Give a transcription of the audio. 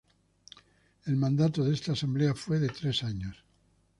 El mandato de esta Asamblea fue de tres años.